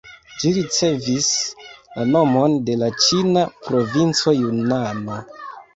Ĝi ricevis la nomon de la ĉina provinco Junano.